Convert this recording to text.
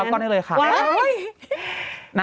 มาดูดูดูดน้อยค่ะ